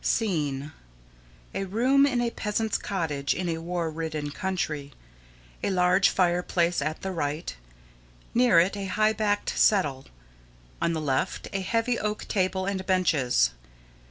SCENE: _A room in a peasant's cottage in a war ridden country. A large fireplace at the right. Near it a high backed settle. On the left a heavy oak table and benches.